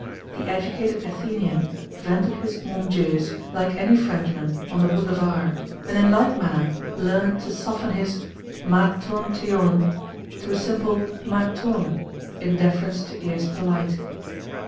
The educated Athenian vented his "Mon Dieus" like any Frenchman on the boulevard, and in like manner learned to soften his "[Greek: Ma ton theon]" to a simple "[Greek: Ma ton]" in deference to ears polite.